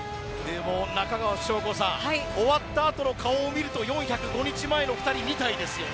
中川さん、終わったあとの顔を見ると４０５日前の２人みたいですよね。